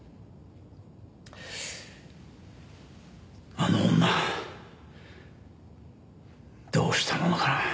あの女どうしたものか。